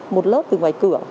một lớp từ ngoài cửa